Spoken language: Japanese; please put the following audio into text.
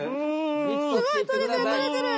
すごい取れてる取れてる。